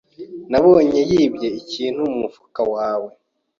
Nabonye yibye ikintu mumufuka wawe.